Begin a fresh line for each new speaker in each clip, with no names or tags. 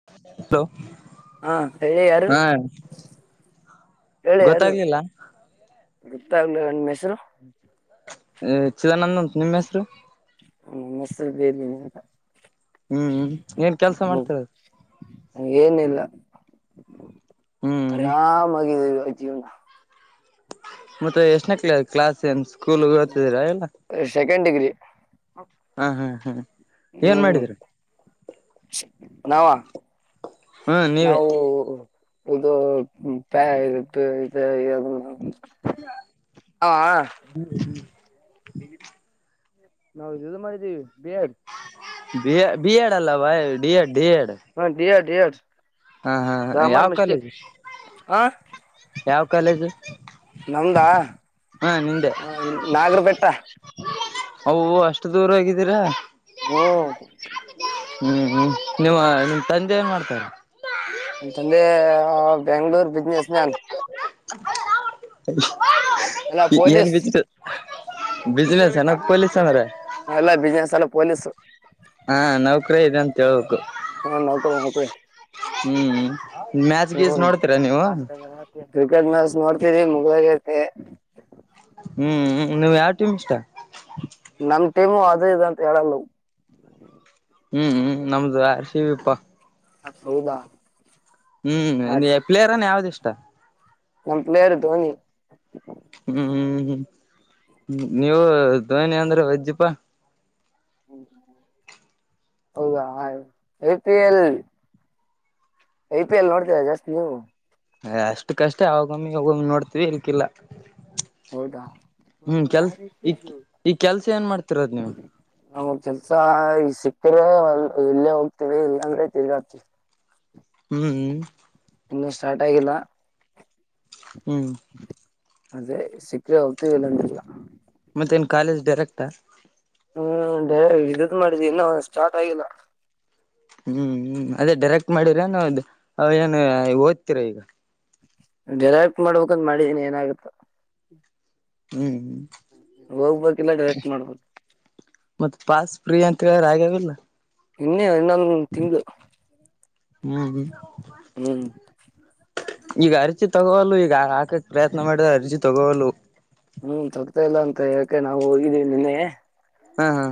[inaudible]
ಹಾ ಹೇ ಯಾರು
ಹಾ ಗೊತ್ತಾಗ್ಲಿಲ್ಲ.
ಗಿಲ್ಲ ನಿಮ್ಮ ಹೆಸರು
ಚಿದಾನಂದಂತ ನಿಮ್ಮ ಹೆಸರು
ನಮ್ಮ ಹೆಸರು [unintelligible]
ಹ್ಮ್ ಏನ್ ಕೆಲಸ ಮಾಡ್ತರೀ.
ಏನಿಲ್ಲ
ಹ್ಮ್
ಆರಾಮಗಾಗಿದೆ ಜೀವನ.
ಮತ್ತೆ ಎಷ್ಟನೆ ಕ್ಲಾಸ್ ಏನ್ ಸ್ಕೂಲ್ ಓತಿದೀರಾ ಏನ್
ಸೆಕೆಂಡ್ ಡಿಗ್ರಿ.
ಹಾ ಹಾ ಹಾ ಏನ್ ಮಾಡಿದ್ರಿ.
ನಾವ
ಹ್ಮ್ ನೀವೇ
ನಾವು [unintelligible] [unintelligible]
[unintelligible]
ನಾವು ಇದು ಮಾಡಿದ್ದೀವಿ ಬಿ ಎಡ್
ಬಿ ಎಡ್ ಅಲ್ಲವ D Ed D Ed
D Ed, D Ed
ಹಾ ಹಾ ಯಾವ ಕಾಲೇಜು
ಹಾ
ಯಾವ ಕಾಲೇಜು.
ನಮ್ದಾ
ಹಾ ನಿಂದೆ
ನಾಗರ ಬೆೆಟ್ಟ.
ಅವು ಅಷ್ಟು ದೂರ ಹೋಗಿದೇರ.
ಹು.
ಹ್ಮ್ ಹ್ಮ್ ನಿಮ್ಮ ನಿಮ್ಮ್ ತಂದೆ ಏನ್ ಮಾಡ್ತಾರೆ.
ನಮ್ಮ ತಂದೆ ಬೆಂಗಳೂರು ಬಿಸ್ನೆಸ್ ಮ್ಯಾನ್.
ಏನ್ ಬಿಸ್
ಅಲ್ಲ ಬಿಸ್ನಸ್ ಅಲ್ಲ ಪೊಲೀಸ್.
ಹಾ ನೌಕರ ಇದೆ ಅಂತ ಹೇಳಬೇಕು.
[unintelligible]
ಹ್ಮ್ ಮ್ಯಾಚ್ ಗೀಸ್
ಹ್ಮ್
ನೋಡ
ಕ್ರಿಕೆಟ್ ಮ್ಯಾಚ್ ನೋಡ್ತೀರಿ ಮುಗಿದುಹೊಗೈತೆ
ಹ್ಮ್ ನೀವ್ ಯಾವ ಟೀಮ್ ಇಷ್ಟ.
ನಮ್ ಟೀಮು ಅದು ಇದು ಅಂತ ಹೇಳಲ್ಲ.
ಹ್ಮ್ ಹ್ಮ್ ನಮ್ದು ಆರ್ ಸಿ ಬಿ ಪಾ
ಹ ಹೌದಾ
ಹ್ಮ್ ಪ್ಲೇಯರ್ ಯಾವ್ದ ಇಷ್ಟ
ನಮ್ಮ್ ಪ್ಲೇಯರ್ ಧೋನಿ.
ಹ್ಮ್ ಹ್ಮ್ ಹ್ಮ್ ನೀವು ಧೋನಿನ್ ಅಂದ್ರೆ ವಜ್ಜೀಪ.
ಹೌದಾ I P L I P L ನೋಡ್ತೀರಾ ಜಾಸ್ತಿ ನೀವು.
ಅಷ್ಟುಕ್ಕೇ ಅ ಷ್ಟೇ ಅವಾಗೊಮ್ಮಿ ಇವಗೊಮ್ಮೆ ನೋಡ್ತಿವಿ ಈಗ ಇಲ್ಲ
ಹೌದಾ
ಹ್ಮ್ ಕೆಲ್ಸ ಈ ಈ ಕೆಲ್ಸ ಏನ್ ಮಾಡ್ತಿರೋದ್ ನೀವು
ನಾ ಕೆಲ್ಸಾ ಈ ಸಿಕ್ತ್ರೆ ಇಲ್ಲೇ ಹೋಗ್ತವಿ ಇಲ್ಲಾಂದ್ರೆ ತಿರ್ಗ
ಹ್ಮ್
ಇನ್ನು ಸ್ಟಾರ್ಟ್ ಆಗಿಲ್ಲ.
ಹ್ಮ್
ಅದೇ ಸಿಕ್ರೆ ಹೋಗ್ತೀವಿ ಇಲ್ಲ ಅಂದ್ರೆ ಇಲ್ಲ.
ಮತ್ತ ಏನ್ ಕಾಲೇಜ್ ಡೈರೆಕ್ಟ.
ಹ್ಮ್ ಡೇ ಇದದ ಮಾಡಿದ ಇನ್ನು ಸ್ಟಾರ್ಟ್ ಆಗಿಲ್ಲ.
ಹ್ಮ್ ಹ್ಮ ಅದೇ ಡೈರೆಕ್ಟ್ ಮಾಡಿರ ನ ಏನು ಓದ್ತಿರಾ ಈಗ.
ಡೈರೆಕ್ಟ್ ಮಾಡಬೇಕಂದ್ ಮಾಡಿನ ಇನ್ನ ಏನ ಆಗುತ್ತ.
ಹ್ಮ್.
ಹೋಗ್ಬೇಕಿಲ್ಲ ಡೈರೆಕ್ಟ್ ಮಾಡ್ಬೇಕು
ಮತ್ತೆ ಪಾಸ್ ಫ್ರೀ ಅಂತ ಹೇಳ್ಯಾರ ಆಗ್ಯಾವ ಇಲ್ಲ.
ಇನ್ನೇ ಇನ್ನೊಂದ ತಿಂಗ
ಹ್ಮ
ಹ್ಮ್
ಈಗ ಅರ್ಜಿ ತಗೋ ವಲ್ವು ಈಗ ಹಾಕಕ್ ಪ್ರಯತ್ನ ಮಾಡಿದ್ರ ಅರ್ಜಿ ತಗೋ ವಲ್ವು.
ಹ್ಮ್ ತೊಗತಾ ಇಲ್ಲ ಅಂತ ಹೇಕೆ ನಾವು ಹೋಗಿದ್ದೀವಿ ನಿನ್ನೆ.
ಹಾ ಹಾ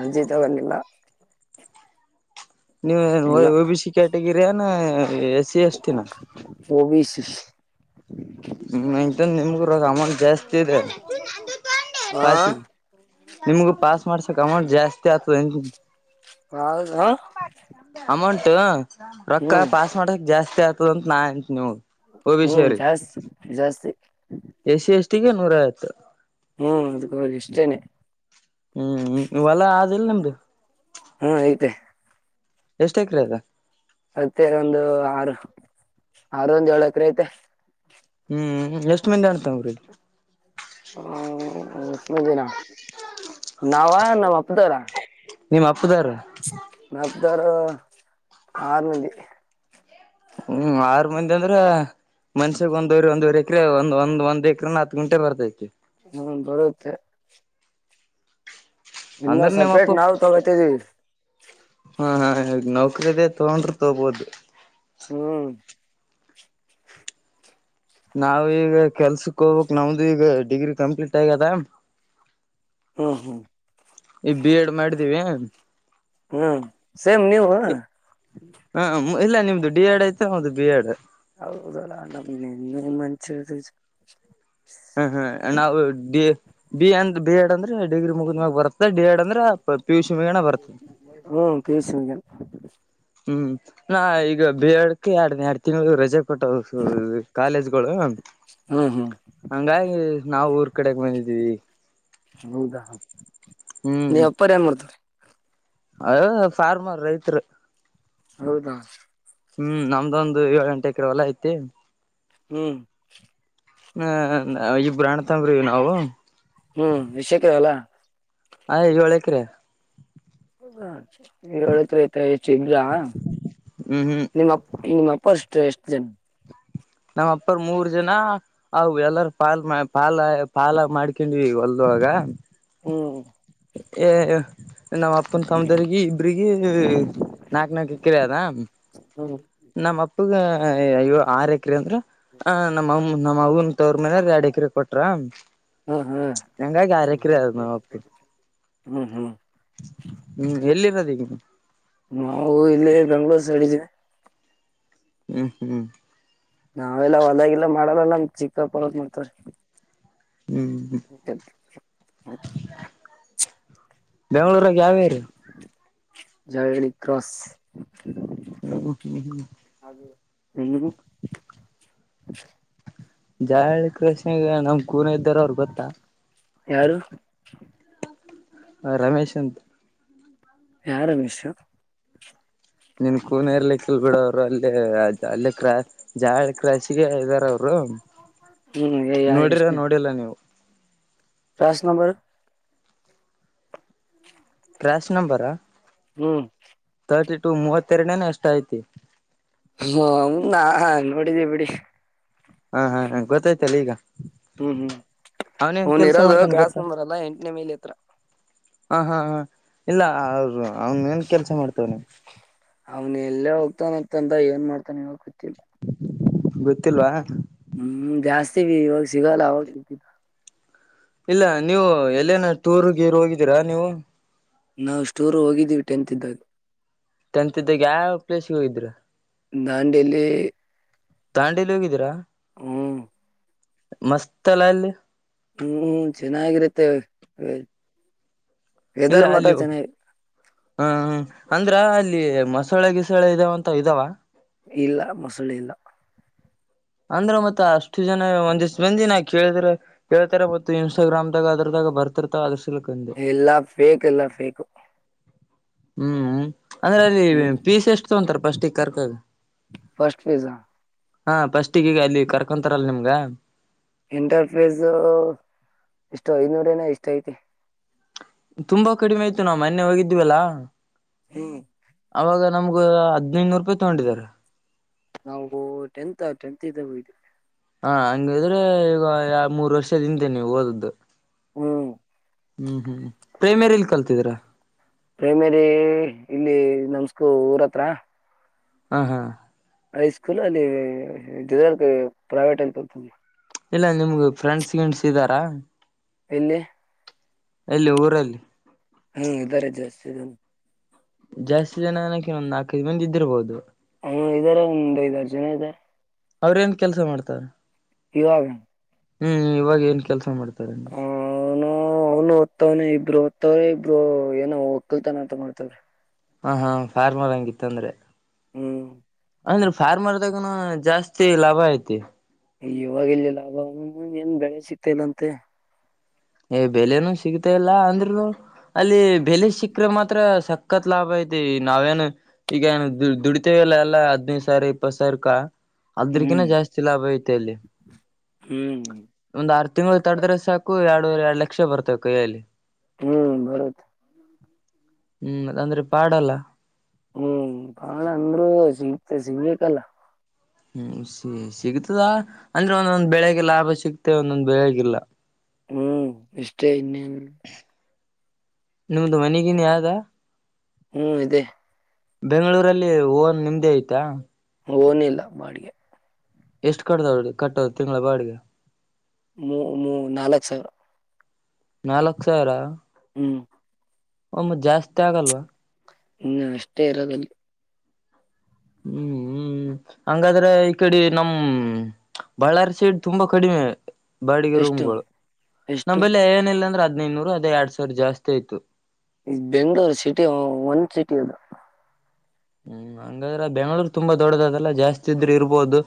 ಅರ್ಜಿ ತಗೊಂಡಿಲ್ಲ. ಇನ್ನು
ನೀವ ಬಿ ಸಿ ಕ್ಯಾಟಗಿರಿ ಅನ ಎಸ್ ಸಿ ಎಸ್ ಟಿ ನಾ.
ಓ ಬಿ ಸಿ.
ಹ್ಮ ಇಂತ ನಿಮಗೂ ಅಮೌಂಟ್ ಜಾಸ್ತಿ ಇದೆ
ಹಾ
ಪಾಸಿಗೆ [unintelligible] ನಿಮಗೂ ಪಾಸ್ ಮಾಡ್ಸಕ್ ಅಮೌಂಟ್ ಜಾಸ್ತಿ ಆಗ್ತದ ಅಂತೀನಿ.
ಹಾ
ಅಮೌಂಟ್ ರೊಕ್ಕ
ಹ್ಮ್
ಪಾಸ್ ಮಾಡಕ್ ಜಾಸ್ತಿ ಆಗ್ತದ ಅಂತ ನಾ ಅಂತೀನಿ ನೋಡ್.
ಹ್ಮ್ ಜಾಸ್ತಿ ಜಾಸ್ತಿ.
ಎ ಸಿ ಎಸ್ಟಿಗಿ ನೂರ ಐವತ್ತು.
ಹ್ಮ್ ಅದ್ಕ ಹೋಗಿ ಇಷ್ಟೇನೆ.
ಹ್ಮ್ ಹೊಲ ಅದಿಲ್ಲ ನಿಮ್ದು.
ಹ್ಮ ಐತೆ.
ಎಷ್ಟು ಎಕ್ರೆ ಆದ.
ಮತ್ತೆ ಒಂದು ಆರು ಆರು ಒಂದ ಏಳ ಎಕರೆ ಐತೆ.
ಹ್ಮ್ ಎಷ್ಟು ಮಂದಿ ಅಣ್ಣತಮ್ಮಂದಿರು.
ಹ್ಮ ಎಸ್ಟು ಮಂದಿನ ನಾವ ನಮ್ಮ ಅಪ್ಪನೋರ.
ನಿಮ್ ಅಪ್ಪದೂರು
ನಮ್ ಅಪ್ಪದೋರು ಆರು ಮಂದಿ.
ಹ್ಮ್ ಆರು ಮಂದಿ ಅಂದ್ರ. ಮನುಷ್ಯಗ ಒಂದ್ವರಿ ಒಂದ್ವರೆ ಎಕರೆ ಒಂದ ಒಂದ್ ಎಕ್ರೆ ಹತ್ ಗುಂಟೆ ಬರ್ತೈತಿ.
ಹ್ಮ ಬರುತ್ತೆ. ಇನ್ನ
ಅಂದ್ರೆ ನಿಮ್ ಅಪ್ಪ.
ಸಪ್ರೇಟ್ ನಾವು ತಗೋತಿದೀವಿ
ಹಾ ಹಾ ಈ ನೌಕರಿದೇ ತಗೊಂಡ್ರೆ ತಗಬೋದು.
ಹ್ಮ್
ನಾವ ಈಗ ಕೆಲ್ಸಕ್ ಹೋಗ್ ಬೇಕು ನಮ್ದು ಈಗ ಡಿಗ್ರಿ ಕಂಪ್ಲೀಟ್ ಆಗ್ಯದ.
ಹ್ಮ ಹ್ಮ
ಈ ಬಿ ಎಡ್ ಮಾಡಿದ್ದೀವಿ.
ಹ್ಮ್ ಸೇಮ್ ನೀವು.
ಹ ಇಲ್ಲ ನಿಮ್ದು ಡಿ ಎಡ್ ಆಯ್ತಾ ನಮ್ದದು ಬಿ ಎಡ್.
ಹೌದಲ್ಲಾ ನಮ್ ನಿನ್ನ [unintelligible]
ಹ್ಮ್ ಹ್ಮ್ ನಾವು ಬಿ ಬಿ ಅಂದ ಬಿ ಎಡ್ ಅಂದ್ರೆ ಡಿಗ್ರಿ ಮುಗಿದ್ ಮ್ಯಾಗ ಬರತ್ತೆ. ಡಿ ಏಡ್ ಅಂದ್ರೆ ಪೀ ಯು ಸಿ ಮುಗ್ಯನ ಬರ್ತದ.
ಹೂ ಪಿಯುಸಿ ಹೋಗೆತ [inaudible]
ಹೂ ನಾ ಈಗ ಬೀಯಡತಿ ಎರಡ್ ಎರಡು ತಿಂಗಳ ರಜೆ [inaudible] ಕೊಟ್ಟರ ಓಸು ಕಾಲೇಜ್ಗಳು
ಹ್ಮ್ ಹ್ಮ್
[inaudible] ಹಂಗಾಗಿ ನಾವ ಊರ್ ಕಡೆಗೆ ಬಂದಿದ್ದೀವಿ. [inaudible]
ಹೌದಾ ನೀ ಅಪ್ಪರ ಏನ್ ಮಾಡ್ತರ? [inaudible]
ಅದ ಫಾರ್ಮರ್ ರೈತ್ರ. [inaudible]
ಹೌದಾ? [inaudible]
ಹು ನಮ್ದ ಒಂದು ಏಳು ಎಂಟೇ ಎಕರೆ ಹೊಲ ಐತಿ. [inaudible]
ಹೂ
ಹ ನಾ ಇಬ್ಬರ ಅಣ್ಣ ತಮ್ಮರ್ ಅದಿವಿ ನಾವು. [inaudible]
ಹೂ ವಿಷ ಏಕೆ ಹೊಲ? [inaudible]
ಐದ ಏಳ ಎಕರೆ. [inaudible]
ಇಲ್ಲ ಏಳ ಎಕರೆ ಐತ ಹೆಚ್ಚಗಿ ಇಲ್ಲ [inaudible]
ಹೂ ಹೂ [inaudible]
ನಿಮ್ಮಪ್ಪ ನಿಮ್ಮ ಅಪ್ಪ ಅಷ್ಟ ಎಷ್ಟು ಜನ [inaudible]
ನಮ್ಮ ಅಪ್ಪಗ ಮೂರ್ ಜನಾ [inaudible] ಆ ಎಲ್ಲಾರ ಪಾಲ್ ಪಾಲ ಪಾಲ ಮಾಡ್ಕೊಂಡ್ವಿ ಹೊಲದ ಒಳಗ [inaudible]
ಹೂ
ಏ ನಮ್ಮ ಅಪ್ಪನ ಕವ್ವಂದ್ರಿಗೀ [inaudible] [unintelligible] ಹುರಗಿ ನಾಕ ನಾಕ ಎಕರೆ ಅದಾ [inaudible]
ಹ್ಮ್
ನಮ್ಮ ಅಪ್ಪಗ ಅಯ್ಯ ಆರ [inaudible] ಎಕರೆ ಅಂದ್ರ ಆ ನಮ್ಮ ಅಮ್ಮ ನಮ್ಮ ಅವ್ವನ ತವರ ಮನೆ ಅವರ ಎರಡ್ ಎಕ್ರೆ ಕೊಟ್ರ. [inaudible]
ಹ ಹ
ಹಂಗಾಗಿ ಆರ್ ಎಕರೆ ಅದ
[inaudible] [unintelligible]
ಹೂ ಎಲ್ಲಿರೋದ ಈಗ ನೀ. [inaudible]
ನಾವ ಇಲ್ಲಿ ಬೆಂಗ್ಳೂರ್ ಸೈಡ್ ಇದವಿ. [inaudible]
ಹೂ ಹೂ [inaudible]
ನಾವೆಲ್ಲ ಹೊಲಾದಾಗ ಗಿಲದಾಗ ಮಾಡಲ್ಲಲ್ಲ ನಮ್ಮ ಚಿಕ್ಕಪ್ಪ ಅವರ ಮಾಡ್ತಾರೆ. [inaudible]
ಹ್ಮ್
[inaudible]
ಬೆಂಗಳೂರಾಗ ಯಾವ್ ಏರಿಯಾ? [inaudible]
ಜಳವಡಿ ಕ್ರಾಸ್ [inaudible]
ಹೌದ ಏನ್? [inaudible]
ಇಲ್ಲಿಗೆ? [inaudible]
ಜಾಳ ಹಳ್ಳಿ ಕಾರ್ಸ್ ನ್ಯಾಗ ನಮ್ಮ ಕೂಡ ಇದ್ದಾರ ಅವ್ರು ಗೊತ್ತ. [inaudible]
ಯಾರು? [inaudible]
ರಮೇಶ್ ಅಂತ. [inaudible]
ಯಾ ರಮೇಶ್? [inaudible]
ನಿನ್ ಕೂನರ್ಲ್ಲ ಇರ್ಲಿಕ್ ಬಿಡ ಅವ್ರು ಅಲ್ಲೇ? [inaudible] ಅಲ್ಲೇ ಜಲ ಹಳ್ಳಿ ಕಾರ್ಸ್ ಗೇ ಇದ್ದಾರ ಅವರು. [inaudible]
ಹ್ಮ್
ನೋಡಿರ ನೋಡಿಲ್ಲ ನೀವು. [inaudible]
Last number. [inaudible]
Last number? [inaudible]
ಹೂ
ತರ್ಟಿ ಟು ಮೂವತ್ತೆರಡೇನೆ ಎಷ್ಟ ಐತಿ. [inaudible]
ಹೌನಂದಾ ನನೋಡಿದಿವಿ ಬಿಡಿ. [inaudible]
ಹಾ ಹಾ ಗೊತ್ತಾಯ್ತಲ್ಲ ಈಗ. [inaudible]
ಹ್ಮ್ ಹ್ಮ್
ಅವನೇನ್
ಇವ್ನ್
ಕೆಲ್ಸ
ಇರೋದು
ಮಾಡ್ತಾನ
ಕ್ಲಾಸ್
ಗೊತ್ತಾ
ನಂಬರ್ ಅಲ್ಲಾ ಎಂಟನೇ ಮೖಲಿ ಹತ್ರ.
ಹ ಹಾ ಹಾ ಇಲ್ಲ ಅವ್ರು ಅವ್ನು ಏನ್ ಕೆಲ್ಸ ಮಾಡ್ತವ್ನೆ.
ಅವ್ನ ಎಲ್ಲೇ ಹೋಗ್ತಾನ್ ಅಂತಂದ ಏನ್ ಮಾಡ್ತಾ ನೊ ಎನೊ ಗೊತ್ತಿಲ್ಲ.
[unintelligible] ಗೊತ್ತಿಲ್ವಾ.
ಹ್ಮ್ ಜಾಸ್ತಿ ವಿ ಇವಾಗ ಸಿಗಲ್ಲ ಅವಾಗ್ [unintelligible]
ಇಲ್ಲ ನೀವು ಎಲ್ಲೇನ ಟೂರ್ ಗೀರು ಹೋಗಿದ್ದೀರಾ ನೀವು.
ನಾವು ಸ್ಟುರು ಹೋಗಿದ್ದೀವಿ ಟೆಂತ್ ಇದ್ದಾಗ.
ಟಿಂತ್ ಇದ್ದಾಗ ಯಾವೆವ್ ಪ್ಲೇಸ್ಗೆ ಹೋಗಿದಿರ.
ದಾಂಡೆಲ್ಲಿ
ತಾಂಡೇಲಿ ಹೋಗಿದ್ದೀರಾ.
ಹ್ಮ್
ಮಸ್ತ್ ಅಲ ಅಲ್ಲಿ.
ಹ್ಮ್ ಚೆನ್ನಾಗಿರುತ್ತೆ ವೆ
ಇಲ್ಲ ಅಲ್ಲು ಆ ಅಂದ್ರ ಅಲ್ಲಿ ಮಸಳೆ ಗಿಸಳೆ ಇದಾವಂತ ಇದಾವ.
ಇಲ್ಲ ಮಸಳೆ ಇಲ್ಲ.
ಅಂದ್ರ ಮತ್ ಅಷ್ಟು ಜನ ಒಂದ್ ದಿಸ್ ಮಂದಿ ನಾ ಕೇಳಿದ್ರಿ. ಕೇಳ್ತಾರೆ ಗತ್ತು ಇನ್ಸ್ಟಾಗ್ರಾಮ್ದಾಗ ಅದ್ರ ದಾಗ ಬರ್ತ ಬರ್ತಿರ್ತವ ಅದ್ರು ಸಲುಕಾಗಿ.
ಇಲ್ಲ ಫೇಕ್ ಇಲ್ಲ ಫೇಕು.
ಹ್ಮ್ ಅಂದ್ರೆ ಅಲ್ಲಿ
ಹ್ಮ್
ಪೀಸ್ ಎಷ್ಟ ತಗೊಂತರೆ ಫಸ್ಟಿಗ್ ಕರ್ಕೊಂಡ್.
ಫಸ್ಟ್ ಪೀಸಾ.
ಹಾ ಫಸ್ಟ್ ಗೀಗ ಅಲ್ಲಿ ಕರ್ಕೊಂತಾರಲ್ಲ ನಿಮ್ಗ.
ಎಂಟರ್ಫೇಸ್ ಎಷ್ಟೋ ಐನೂರೆನ ಎಷ್ಟ ಐತೆ.
ತುಂಬಾ ಕಡಿಮೆ ಆಯ್ತು ನಾವ್ ಮೊನ್ನೆ ಹೋಗಿದ್ವಲ್ಲಾ.
ಹ್ಮ್
ಅವಾಗ ನಮ್ಗ ಹದ್ನೈದುನೂರು ರೂಪಾಯ್ ತೊಗೊಂಡಿದ್ದಾರೆ.
ನಾವು ಟೆಂತ ಟೆಂತ್ ಇದಾವಿ.
ಹಾ ಹಂಗಿದ್ರೆ ಈಗ ಯಾ ಮೂರ್ ವರ್ಷದ್ ಹಿಂದೆ ನೀವ್ ಓದಿದ್ದು.
ಹ್ಮ್
ಹ್ಮ್ ಹ್ಮ್ ಪ್ರೈಮರಿಲ್ ಕಲ್ತಿದ್ರ.
ಪ್ರೈಮರಿ ಇಲ್ಲಿ ನಮಸ್ಕೂ ಊರ್ ಹತ್ರ.
ಹಾ ಹಾ
ಹೈ ಸ್ಕೂಲ್ ಅಲ್ಲಿ ಪ್ರೈವೇಟ್ [unintelligible]
ಇಲ್ಲ ನಿಮ್ಗ ಫ್ರೆಂಡ್ಸ್ ಗಿಂಡ್ಸ್ ಇದರಾ.
ಎಲ್ಲಿ
ಎಲ್ಲಿ ಊರಲ್ಲಿ
ಹ್ಮ್ ಇದಾರೆ ಜಾಸ್ತಿ ಜನ.
ಜಾಸ್ತಿ ಜನ ಅನ್ನಕೆ ನಾಲ್ಕೈದು ಮಂದಿ ಇದ್ದಿರ್ಬೋದು.
ಹ ಇದಾರೆ ಒಂದ್ ಐದಾರ್ ಜನ ಇ
ಅವ್ರ ಏನ್ ಕೆಲ್ಸ ಮಾಡ್ತಾರೆ.
ಇವಾಗ
ಹ್ಮ್ ಇವಾಗ ಏನ್ ಕೆಲ್ಸ ಮಾಡ್ತಾರೆ.
ಹ ಅವ್ನು ಅವನು ಓದ್ತವ್ನೆ ಇಬ್ರು ಓದ್ತವ್ರೆ ಇಬ್ರು ಏನ ಒಕ್ಕಲ್ತನ ಅಂತ ಮಾಡ್ತವ್ರೆ.
ಹಾ ಹಾ ಫಾರ್ಮರ್ ಹಂಗಿತ್ತ ಅಂದ್ರೆ.
ಹ್ಮ್
ಅಂದ್ರೆ ಫಾರ್ಮರ್ದಾಗನು ಜಾಸ್ತಿ ಲಾಭ ಐತಿ
ಇವಾಗಲ್ಲಿ ಲಾಭ ಏನ್ ಬೆಳೆ ಸಿಗ್ತ ಇಲ್ಲ ಅಂತೆ
ಏ್ ಬೆಲೆನುಸಿಗತ ಇಲ್ಲ ಅಂದ್ರರುನು ಅಲ್ಲಿ ಬೆಲೆ ಸಿಕ್ಕ್ರ ಮಾತ್ರ ಸಕ್ಕತ್ ಲಾಭ ಐತಿ ನಾವೇನು ಈಗ ದುಡಿತೇವೆಲ್ಲ ಎಲ್ಲಾ ಹದ್ನದು ಸಾವಿರ ಇಪ್ಪತ್ ಸಾವಿರಕ್ಕ ಅದ್ರಕಿನ
ಹ್ಮ್
ಜಾಸ್ತಿ ಲಾಭೈತ ಅಲ್ಲಿ
ಹ್ಮ್
ಒಂದ್ ಆರ್ ತಿಂಗಳು ತಡದ್ರೆ ಸಾಕು ಎರಡುಎರಡು ಲಕ್ಷ ಬರ್ತವೆ ಕೈಯಲ್ಲಿ
ಹ್ಮ್ ಬರುತ್
ಹ್ಮ್ ಅಂದ್ರೆ ಪಾಡಲ್ಲ
ಹ್ಮ್ ಬಾಳ ಅಂದ್ರೂ ಸಿಗ್ತ ಸಿಗ್ಕ್
ಹ್ಮ್ ಸ ಸಿಗ್ತದಾ ಅಂದ್ರೆ ಒಂದೊಂದ್ ಬೆಳೆಗೆ ಲಾಭ ಸಿಗ್ತೆ ಒಂದೊಂದ್ ಬೆಳಗಿಲ್ಲ
ಹ್ಮ್ ಇಷ್ಟೇ ಇನ್ನೇನು
ನಿಮ್ದು ಮನೆಗನ್ ಯ್ದ
ಹ್ಮ ಇದೆ
ಬೆಂಗಳೂರಲ್ಲಿ ಓನ್ ನಿಮ್ದೇ ಆಯ್ತಾ
ಹನ ಇಲ್ಲ ಬಾಡಿಗೆ
ಎಷ್ಟು ಕಟ್ಟದಾವಡಿ ಕಟ್ಟದ ತಿಂಗಳ ಬಾಡಿಗೆ
ಮೂ ಮೂ ನಾಲ್ಕು ಸಾವಿರ
ನಾಲ್ಕ್ ಸಾವಿರ
ಹ್ಮ್
ಒಮ್ಮತ್ ಜಾಸ್ತಿ ಆಗಲ್ವಾ
ಹ್ಮ ಅಷ್ಟೇ ಇರೋದಲ್ಲಿ
ಹ್ಮ್ ಹ್ಮ ಹ್ಮ್ ಹಂಗಾದ್ರೆ ಈ ಕಡೆ ನಮ್ಮ ಬಳ್ಳಾರಿ ಸೈಡ್ ತುಂಬಾ ಕಡಿಮೆ ಬಾಡಿಗೆ
ಎಷ್ಟು
ರೂಮ್ಗಳು
ಎಷ್ಟು
ನಂಬಲ್ಲಿ ಏನಿಲ್ಲ ಅಂದ್ರೆ ಹದ್ದುನೂರು ಅದೇ ಎರಡ್ ಸಾವಿರ ಜಾಸ್ತಿ ಆಯ್ತು
ಈ ಬೆಂಗ್ಗಳೂರು ಸಿಟಿ ಒಂದ್ ಸಿಟಿ ಅದು
ಹ್ಮ್ ಹಂಗಾದ್ರ ಬೆಂಗ್ಳೂರ್ ತುಂಬಾ ದೊಡ್ಡದ ಅದಲ್ಲ ಜಾಸ್ತಿ ಇದ್ರೆ ಇರ್ಬೋದು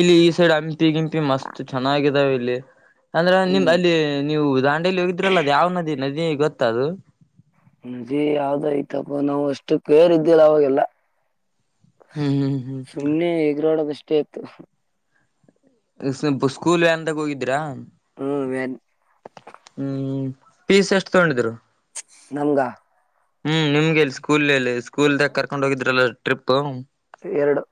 ಇಲ್ಲಿ ಈ ಸೈಡ್ ಹಂಪಿ ಗಿಂಪಿ ಮಸ್ತ್ ಚೆನ್ನಾಗಿದಾವ ಇಲ್ಲಿ ಅಂದ್ರ ನಿಮ
ಹ್ಮ್
ಅಲ್ಲಿ ನೀವು ದಾಂಡೇಲಿ ಹೋಗಿದ್ರಲ್ಲ ಅದು ಯಾವ ನದಿ ನದಿ ಗೊತ್ತ ಅದು
ನಜಿ ಯಾವ್ದ ಐ್ತಪ್ಪ ನಾವು ಅಷ್ಟು ಕೇರ್ ಇದ್ದಿಲ್ಲ ಅವಾಗೆಲ್ಲ
ಹ್ಮ್ ಹ್ಮ್
ಸುಮ್ನೆ ಎಗರಾಡದಷ್ಟೇ ಆಯ್ತು
ಸ್ವಲ್ಪ ಸ್ಕೂಲ್ ವ ಅಂದಾಗ ಹೋಗಿದ್ದೀರಾ
ಹ್ಞೂ ವನ್
ಹ್ಮ್ ಪೀಸ್ ಎಷ್ಟು ತಗೊಂಡಿದ್ರು
ನಂಗ
ಹ್ಮ್ ನಿಮ್ಗೆಲ್ಲಿ ಸ್ಕೂಲ್ಲಸ್ಕೂಲ್ದಾಗ ಕರ್ಕೊಂಡ್ ಹೋಗಿದ್ರಲ್ಲ ಟ್ರಿಪ್
ಎರಡು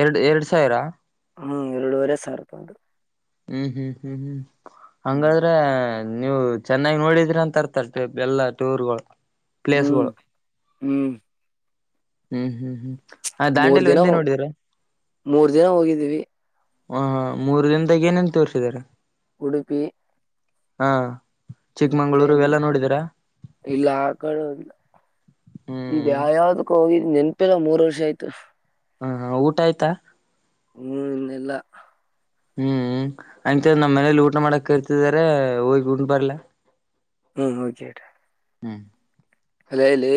ಎರಡು ಎರಡ್ ಸಾವಿರ
ಹ್ಮ್ ಎರಡುವರೆ ಸಾರತದು
ಹ್ಮ್ ಹ್ಮ್ ಹ್ಮ್ ಹ್ಮ್
ಹ್ಮ್
ಹಂಗಾದ್ರೆ ನೀವು ಚೆನ್ನಾಗಿ ನೋಡಿದ್ರಿ ಅಂತರ್ತ ಎಲ್ಲಾ ಟೂರ್ಗಳು
ಹ್ಮ್
ಪ್ಲೇಸ್ಗಳು
ಹ್ಮ್
ಹ್ಮ್ ಹ್ಮ್ ಹ್ಮ್ ಹ
ಮೂರ್
ದಾಂಡೆಲು
ದಿನ
ಒಂದೇ ನೋಡಿದ್ರ
ಮೂರ್ ದಿನ ಹೋಗಿದೀವಿ
ಹ ಹಾ ಮೂರು ದಿನದಾಗ ಏನೇನ್ ತೋರ್ರಿಸಿದಿದ್ದಾರೆ
ಉಡುಪಿ
ಹಾ ಚಿಕ್ಕಮಂಗ್ಳೂರು
ಮತ್ತೆನ್
ಇವೆಲ್ಲಾ ನೋಡಿದೀರಾ
ಇಲ್ಲ ಆ ಕಡಲ್ಲ ಇದ
ಹ್ಮ್
ಯ ಯಾವ್ದಕ್ಕ ಹೋಗಿದ್ ನೆನ್ಪಿಲ್ಲ ಮೂರ್ ವರ್ಷ ಆಯ್ತು
ಹಾ ಹ ಊಟ ಆಯ್ತಾ
ಹನ್ನೆಲ್ಲ
ಹ್ಮ್ ಅಂತ ನಮ್ಮ್ ಮನೇಲಿ ಊಟ ಮಾಡಕ್ ಕರ್ತಿದಿದ್ದಾರೆ ಹೋಗಿ ಉಂಂಡ್ ಬರ್ಲ
ಹ್ಮ್ [unintelligible]
ಹ್ಮ್
ಅಲಲಿ